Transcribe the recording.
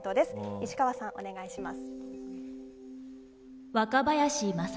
石川さん、お願いします。